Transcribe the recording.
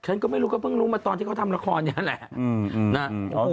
ฉันก็ไม่รู้ก็เพิ่งรู้มาตอนที่เขาทำละครนี่แหละ